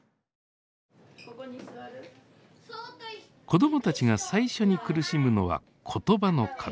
子どもたちが最初に苦しむのは言葉の壁。